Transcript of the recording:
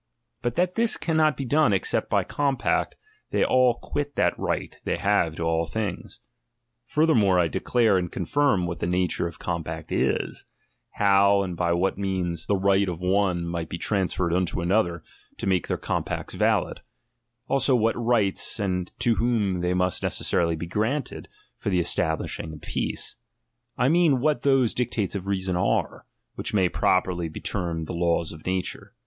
But that this cannot be done, except by compact, they all quit that right they have to all things. Furthermore, I declare and confirm what the nature of compact is ; how and by what means Xvni THE PREFACE the right of one might be transferred unto another to make their compacts valid; also what ] ights, and to whom they must necessarily be granted, for the establishing of peace ; I mean, what those dictates of reason are, which may properly be termed the laws of nature.